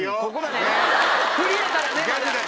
フリやからねまだ！